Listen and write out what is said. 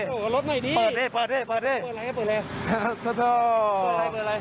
โหลดหน่อยดิเปิดดิเปิดดิเปิดอะไรเปิดอะไรโทโทเปิดอะไร